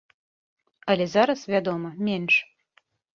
Але зараз, вядома, менш.